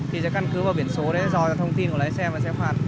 thì sẽ căn cứ vào biển số để dòi ra thông tin của lái xe và sẽ phạt